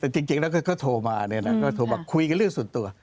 เอิ้นจริงแล้วแล้วก็โทรมาเนี่ยนะเราโทรมาคุยกับเรื่องส่วนตัว